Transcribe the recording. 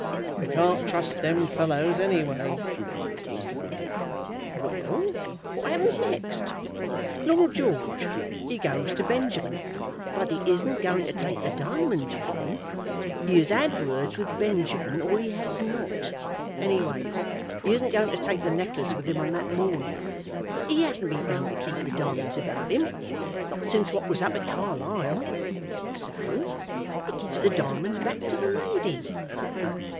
"You can't trust them fellows any way," said Mr. Bunfit. "Well; what happens next? Lord George, he goes to Benjamin, but he isn't goin' to take the diamonds with him. He has had words with Benjamin or he has not. Any ways he isn't goin' to take the necklace with him on that morning. He hasn't been goin' to keep the diamonds about him, not since what was up at Carlisle. So he gives the diamonds back to the lady."